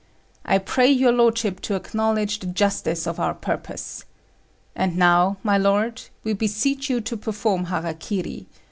I pray your lordship to acknowledge the justice of our purpose. And now, my lord, we beseech you to perform hara kiri.